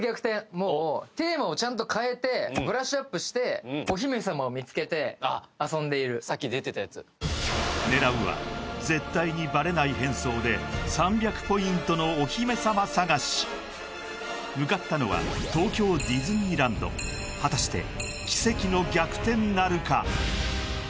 もうテーマをちゃんと変えてブラッシュアップしてお姫様を見つけてあっ遊んでいるさっき出てたやつ狙うは絶対にバレない変装で向かったのは東京ディズニーランド果たして奇跡の逆転なるか？